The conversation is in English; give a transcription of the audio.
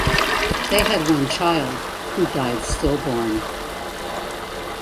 They had one child, who died stillborn.